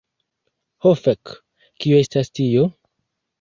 Ho fek. Kio estas tio?